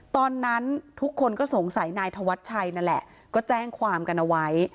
ตอนนั้นทุกคนก็สงสัยนายธวัชชัยนั่นแหละก็แจ้งความกันเอาไว้